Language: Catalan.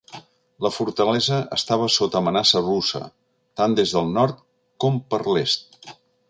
La fortalesa estava sota amenaça russa, tant des del nord com per l'est.